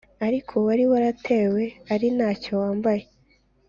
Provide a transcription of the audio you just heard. ariko wari waratawe ari nta cyo wambaye